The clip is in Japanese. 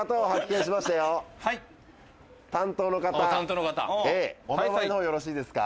担当の方お名前のほうよろしいですか？